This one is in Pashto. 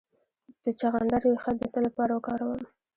د چغندر ریښه د څه لپاره وکاروم؟